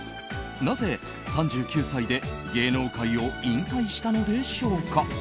なぜ３９歳で芸能界を引退したのでしょうか。